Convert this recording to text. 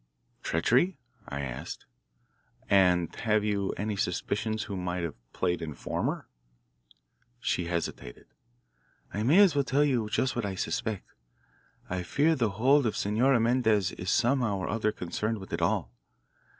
"Treachery?" I asked. "And have you any suspicions who might have played informer?" She hesitated. "I may as well tell you just what I suspect. I fear that the hold of Senora Mendez is somehow or other concerned with it all.